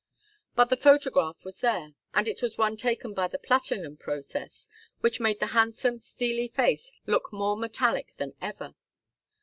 But the photograph was there, and it was one taken by the platinum process, which made the handsome, steely face look more metallic than ever.